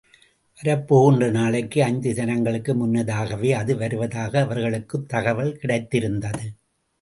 வரப்போகின்ற நாளைக்கு ஐந்து தினங்களுக்கு முன்னதாகவே அது வருவதாக அவர்களுக்குத் தகவல் கிடைத்திருந்தது.